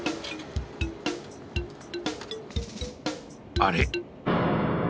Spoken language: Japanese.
あれ？